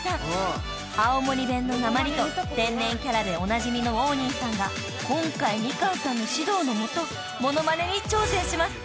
［青森弁のなまりと天然キャラでおなじみの王林さんが今回みかんさんの指導の下モノマネに挑戦します］